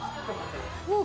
もう。